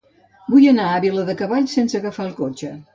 Vull anar a Viladecavalls sense agafar el cotxe.